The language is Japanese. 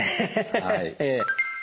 はい。